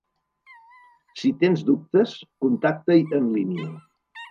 Si tens dubtes contacta-hi en línia.